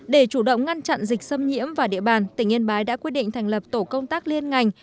để chủ động ngăn chặn dịch xâm nhiễm vào địa bàn tỉnh yên bái đã quyết định thành lập tổ công tác liên ngành